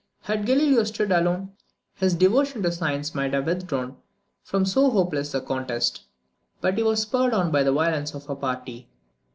Had Galileo stood alone, his devotion to science might have withdrawn him from so hopeless a contest; but he was spurred on by the violence of a party.